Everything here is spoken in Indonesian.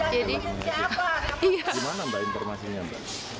gimana mbak informasinya mbak